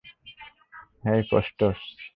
হেই, ফ্যাসটস।